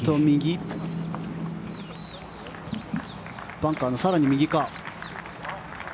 バンカーの更に右か。